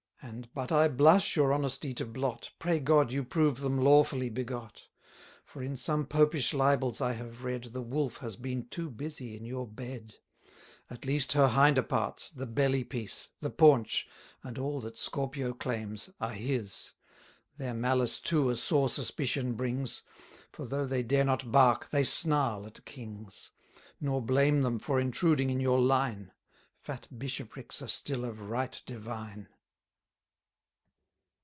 And, but I blush your honesty to blot, Pray God you prove them lawfully begot: For in some Popish libels I have read, The Wolf has been too busy in your bed; At least her hinder parts, the belly piece, The paunch, and all that Scorpio claims, are his. Their malice too a sore suspicion brings; For though they dare not bark, they snarl at kings: 170 Nor blame them for intruding in your line; Fat bishoprics are still of right divine.